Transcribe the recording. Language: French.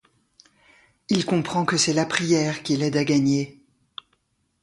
Il comprend que c’est la prière qui l’aide à gagner.